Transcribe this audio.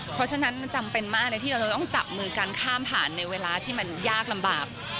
เพราะฉะนั้นมันจำเป็นมากเลยที่เราจะต้องจับมือกันข้ามผ่านในเวลาที่มันยากลำบาก